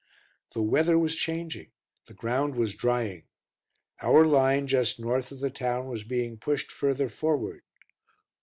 The weather was changing, the ground was drying. Our line, just north of the town, was being pushed further forward.